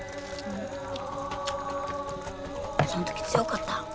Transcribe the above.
そのとき強かった？